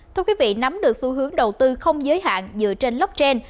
thưa quý vị nắm được xu hướng đầu tư không giới hạn dựa trên blockchain